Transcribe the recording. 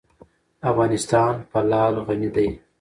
افغانستان په لعل غني دی.